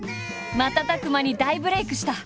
瞬く間に大ブレイクした。